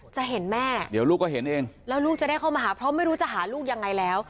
จะเห็นแม่เดี๋ยวลูกก็เห็นเองแล้วลูกจะได้เข้ามาหาเพราะไม่รู้จะหาลูกยังไงแล้ว